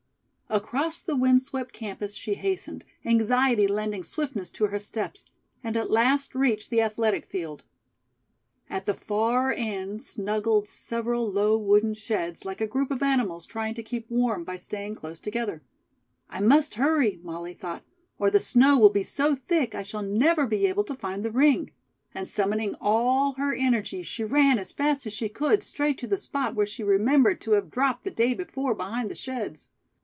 Across the wind swept campus she hastened, anxiety lending swiftness to her steps, and at last reached the Athletic Field. At the far end snuggled several low wooden sheds like a group of animals trying to keep warm by staying close together. "I must hurry," Molly thought, "or the snow will be so thick I shall never be able to find the ring," and summoning all her energy she ran as fast as she could straight to the spot where she remembered to have dropped the day before behind the sheds.